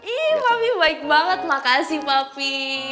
ih papi baik banget makasih papi